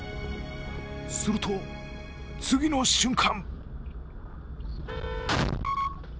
すると、次の瞬間